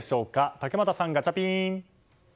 竹俣さん、ガチャピン！